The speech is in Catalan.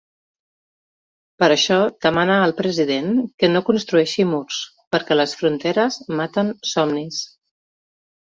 Per això demana al president que no ‘construeixi murs’, perquè ‘les fronteres maten somnis.